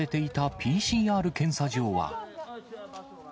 ＰＣＲ検査場は。